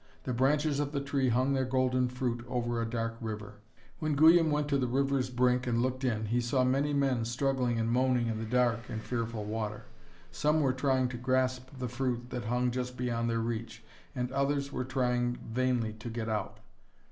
The branches of the tree hung their golden fruit over a dark river. When Guyon went to the river's brink and looked in, he saw many men struggling and moaning in the dark and fearful water. Some were trying to grasp the fruit that hung just beyond their reach, and others were trying vainly to get out.